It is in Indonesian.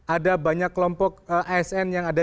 ada banyak kelompok asn yang ada